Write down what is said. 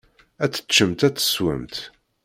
Ad teččemt, ad teswemt.